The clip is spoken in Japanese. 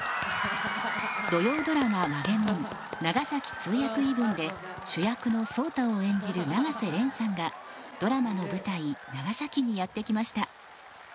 土曜ドラマ「わげもん長崎通訳異聞」で主役の壮多を演じる永瀬廉さんがドラマの舞台長崎にやって来ました。